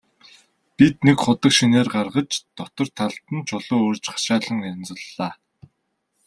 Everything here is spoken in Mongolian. Бид нэг худаг шинээр гаргаж, дотор талд нь чулуу өрж хашаалан янзаллаа.